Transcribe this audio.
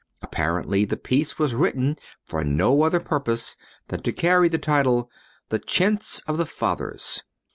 Apparently the piece was written for no other purpose than to carry the title "The Chintz of the Fathers."